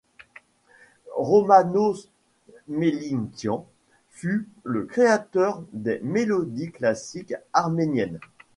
Romanos Mélikian fut le créateur des mélodies classiques arméniennes.